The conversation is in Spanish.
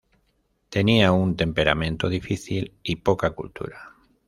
Tenía un temperamento difícil y poca cultura.